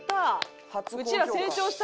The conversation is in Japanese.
うちら成長した！